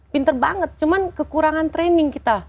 pinter banget cuman kekurangan training kita